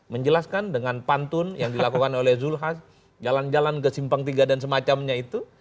menjelaskan dengan pantun yang dilakukan oleh zulhas jalan jalan ke simpang tiga dan semacamnya itu